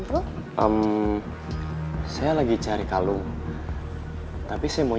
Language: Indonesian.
terima kasih boy